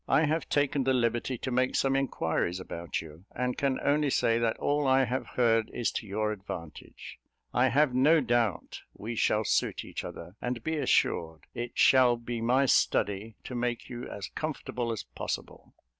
I have taken the liberty to make some inquiries about you; and can only say, that all I have heard is to your advantage. I have no doubt we shall suit each other; and be assured it shall be my study to make you as comfortable as possible."